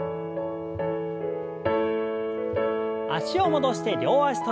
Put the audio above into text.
脚を戻して両脚跳び。